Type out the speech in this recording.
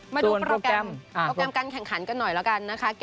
มาดูโปรแกรมการแข่งขันกันหน่อยบ้าง